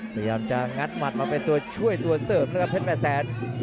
พยายามจะงัดหมัดมาเป็นตัวช่วยตัวเสริมนะครับเพชรแม่แสน